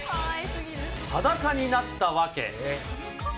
裸になった訳。